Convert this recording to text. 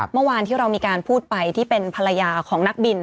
เมื่อวานที่เรามีการพูดไปที่เป็นภรรยาของนักบิน